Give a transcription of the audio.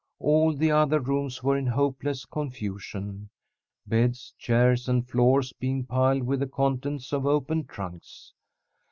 All the other rooms were in hopeless confusion, beds, chairs, and floors being piled with the contents of open trunks.